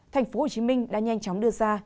tp hcm đã nhanh chóng đưa ra